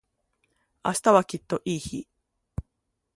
明日はきっといい日